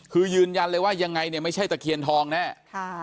คือยืนยันเลยว่ายังไงเนี่ยไม่ใช่ตะเคียนทองแน่